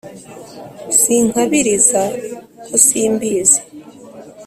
sinkabiriza ko simbizi